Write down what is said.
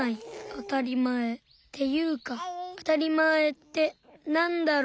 あたりまえっていうかあたりまえってなんだろう？